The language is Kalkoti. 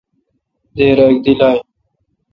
دیر اک دی لائ۔